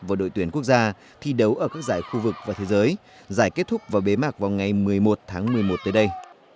và đội tuyển quốc gia thi đấu ở các giải khu vực và thế giới giải kết thúc và bế mạc vào ngày một mươi một tháng một mươi một tới đây